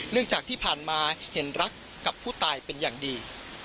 จากที่ผ่านมาเห็นรักกับผู้ตายเป็นอย่างดี